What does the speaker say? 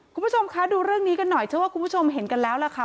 คุณผู้ชมคะดูเรื่องนี้กันหน่อยเชื่อว่าคุณผู้ชมเห็นกันแล้วล่ะค่ะ